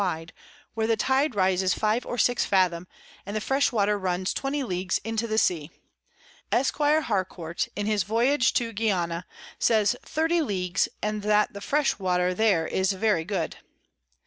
wide, where the Tide rises five or six fathom, and the fresh Water runs 20 Leagues into the Sea; Esquire Harcourt, in his Voyage to Guiana, says 30 Ls. and that the fresh Water there is very good.